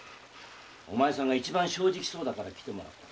お前さんが一番正直そうだから来てもらった。